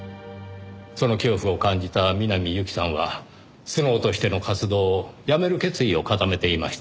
その恐怖を感じた南侑希さんはスノウとしての活動をやめる決意を固めていました。